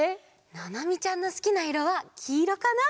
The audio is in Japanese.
ななみちゃんのすきないろはきいろかな？